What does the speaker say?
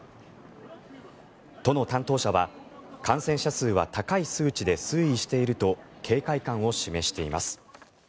都の担当者は、感染者数は高い数値で推移していると警戒感を示しています。